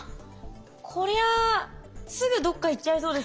こりゃあすぐどっかいっちゃいそうですね。